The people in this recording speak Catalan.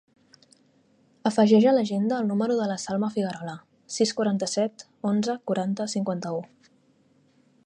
Afegeix a l'agenda el número de la Salma Figuerola: sis, quaranta-set, onze, quaranta, cinquanta-u.